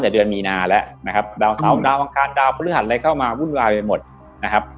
เดือนมีนาละนะครับตาวเสากา๊บวังการบังพยาบาลบุตรเลยเข้ามาวุ่นวายไปหมดนะครับ